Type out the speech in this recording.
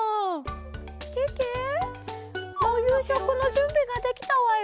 けけおゆうしょくのじゅんびができたわよ。